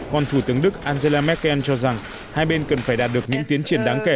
còn thủ tướng đức angela merkel cho rằng hai bên cần phải đạt được những tiến triển đáng kể